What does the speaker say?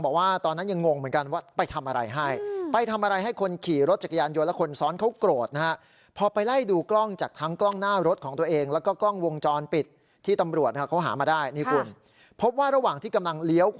บอกว่าตอนนั้นยังงงเหมือนกันว่าไปทำอะไรให้